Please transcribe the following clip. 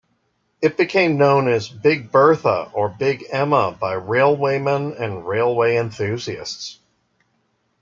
It became known as "Big Bertha" or "Big Emma" by railwaymen and railway enthusiasts.